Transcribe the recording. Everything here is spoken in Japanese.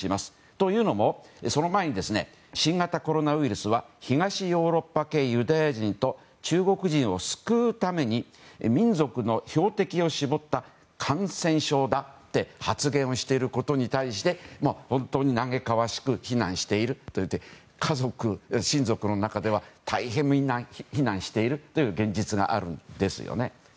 というのも、その前に新型コロナウイルスは東ヨーロッパ系ユダヤ人と中国人を救うために民族の標的を絞った感染症だと発言をしていることに対して本当に嘆かわしく非難していると言っていて家族、親族の中では大変非難しているという現実があるんですよね。